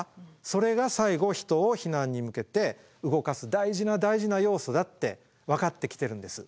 それが最後人を避難に向けて動かす大事な大事な要素だって分かってきてるんです。